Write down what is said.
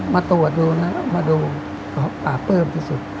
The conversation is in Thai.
มาตรวจดูนะมาดูก็ปากเปิ้ลที่สุด